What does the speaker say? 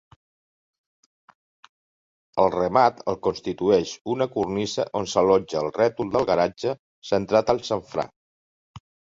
El remat el constitueix una cornisa on s'allotjà el rètol del garatge centrat al xamfrà.